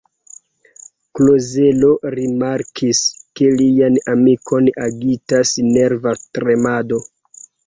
Klozelo rimarkis, ke lian amikon agitas nerva tremado.